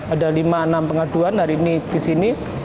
ada lima enam pengaduan hari ini di sini